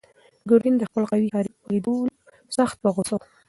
ګرګین د خپل قوي حریف په لیدو سخت په غوسه و.